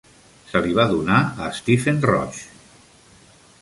Se li va donar a Stephen Roche.